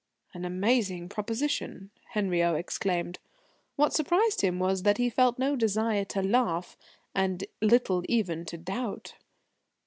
"An amazing proposition!" Henriot exclaimed. What surprised him was that he felt no desire to laugh, and little even to doubt.